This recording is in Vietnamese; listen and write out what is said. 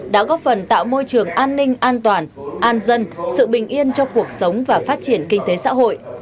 đã góp phần tạo môi trường an ninh an toàn an dân sự bình yên cho cuộc sống và phát triển kinh tế xã hội